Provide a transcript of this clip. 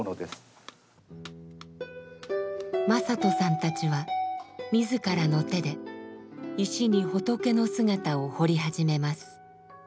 正人さんたちは自らの手で石に仏の姿を彫り始めます。